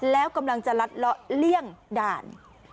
แล้วกำลังจะลัดเลาะเลี่ยงด่าน